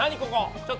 ちょっと。